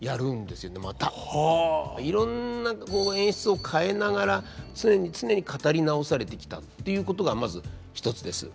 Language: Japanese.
いろんな演出を変えながら常に常に語り直されてきたっていうことがまず一つです。